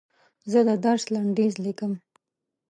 زه د درس لنډیز لیکم.